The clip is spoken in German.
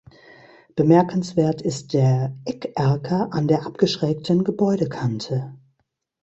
Bemerkenswert ist der Eckerker an der abgeschrägten Gebäudekante.